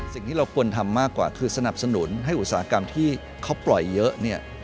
สิ่งที่เราควรทำมากกว่าคือสนับสนุนให้อุตสาหกรรมที่เขาปล่อยเยอะเนี่ย